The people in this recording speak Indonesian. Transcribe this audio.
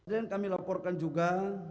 dan kami laporkan juga